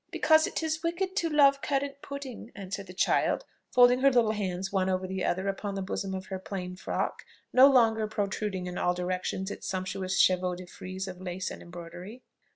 "Because it is wicked to love currant pudding," answered the child, folding her little hands one over the other upon the bosom of her plain frock, no longer protruding in all directions its sumptuous chevaux de frise of lace and embroidery.